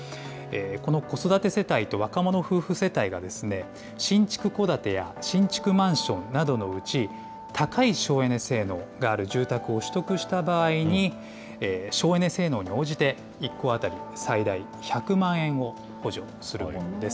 この子育て世帯と若者夫婦世帯が、新築戸建てや新築マンションなどのうち、高い省エネ性能がある住宅を取得した場合に、省エネ性能に応じて、１戸当たり最大１００万円を補助するものです。